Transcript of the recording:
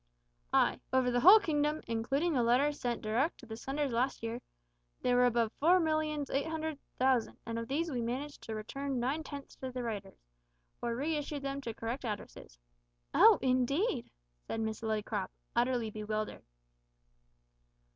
"Ay; over the whole kingdom, including the letters sent direct to the senders last year, there were above four millions eight hundred thousand, and of these we managed to return nine tenths to the writers, or re issued them to corrected addresses." "Oh, indeed!" said Miss Lillycrop, utterly bewildered.